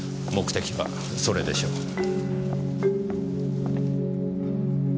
目的はそれでしょう。